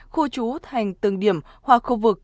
khu trú thành từng điểm hoặc khu vực